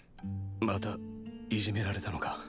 またいじめられたのか？！